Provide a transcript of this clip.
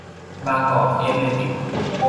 บางกอกเอธเลติก